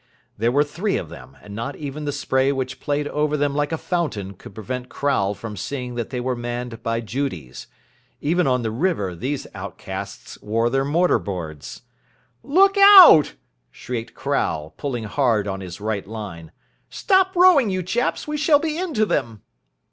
There were three of them, and not even the spray which played over them like a fountain could prevent Crowle from seeing that they were manned by Judies. Even on the river these outcasts wore their mortar boards. "Look out!" shrieked Crowle, pulling hard on his right line. "Stop rowing, you chaps. We shall be into them."